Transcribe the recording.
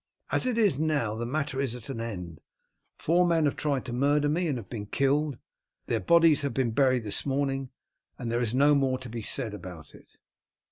As it is now, the matter is at an end. Four men have tried to murder me, and have been killed. Their bodies have been buried this morning, and there is no more to be said about it.